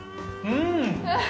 うん！